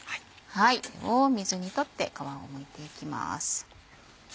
これを水にとって皮をむいていきます。